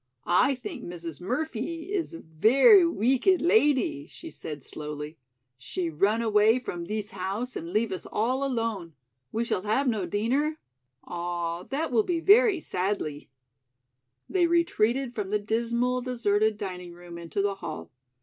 "I think Mrs. Murphee is a very week ed ladee," she said slowly. "She run away from thees house and leave us all alone. We shall have no deener? Ah, that will be very sadlee." They retreated from the dismal, deserted dining room into the hall.